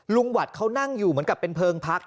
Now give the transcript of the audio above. หวัดเขานั่งอยู่เหมือนกับเป็นเพลิงพัก